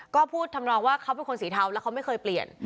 ก็พูดทำนองว่าเขาเป็นคนสีเทาแล้วเขาไม่เคยเปลี่ยน